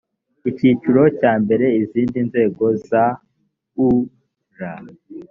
icyiciro cya mbere izindi nzego za ur